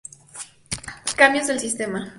Cambios del sistema.